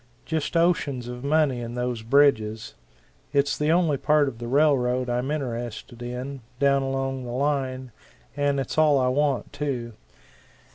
Just oceans of money in those bridges. It's the only part of the railroad I'm interested in, down along the line and it's all I want, too.